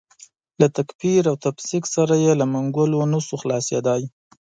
له تکفیر او تفسیق سره یې له منګولو نه شو خلاصېدای.